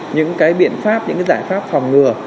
những biện pháp những giải pháp phòng ngừa